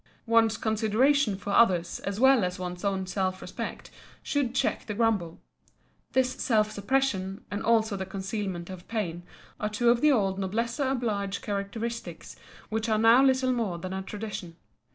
One's consideration for others as well as one's own self respect should check the grumble. This self suppression, and also the concealment of pain are two of the old noblesse oblige characteristics which are now little more than a tradition.